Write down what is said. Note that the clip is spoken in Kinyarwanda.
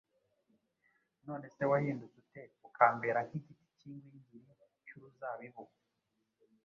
none se wahindutse ute ukambera nk’igiti cy’ingwingiri cy’uruzabibu